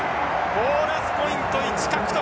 ボーナスポイント１獲得。